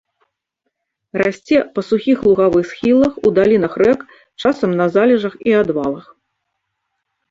Расце па сухіх лугавых схілах, у далінах рэк, часам на залежах і адвалах.